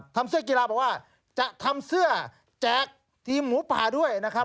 เสื้อกีฬาบอกว่าจะทำเสื้อแจกทีมหมูป่าด้วยนะครับ